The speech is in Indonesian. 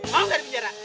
mau gak di penjara